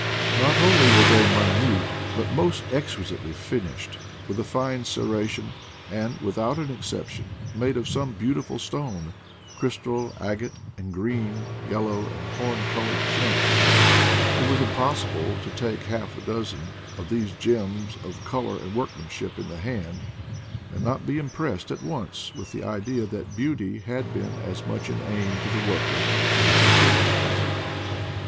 Not only were they minute but most exquisitely finished, with a fine serration, and, without an exception, made of some beauti ful stone—crystal, agate, and green, yellow, and horn colored flint It was impossible to take half a dozen of these gems of color and workmanship in the hand and not be impressed at once with the idea that beauty had been as much an aim to the worker as utility.